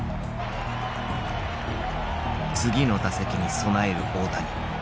次の打席に備える大谷。